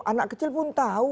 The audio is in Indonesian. anak kecil pun tahu